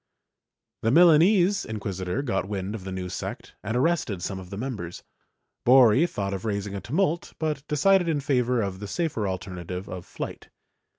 The Milanese inquisitor got wind of the new sect and arrested some of the members ; Borri thought of raising a tumult but decided in favor of the safer alternative of flight.